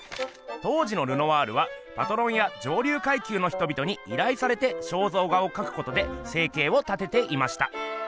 当時のルノワールはパトロンや上流階級のひとびとにいらいされて肖像画をかくことで生計を立てていました。